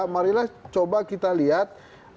marilah coba kita lihat